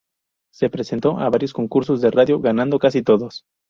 Se presentó a varios concursos de radio, ganando casi todos.